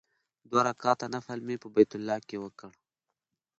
دوه رکعاته نفل مې په بیت الله کې وکړ.